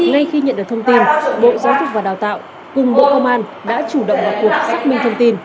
ngay khi nhận được thông tin bộ giáo dục và đào tạo cùng bộ công an đã chủ động vào cuộc xác minh thông tin